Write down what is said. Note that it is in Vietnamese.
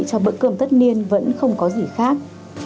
cho bữa cơm tất niên vẫn không có gì khác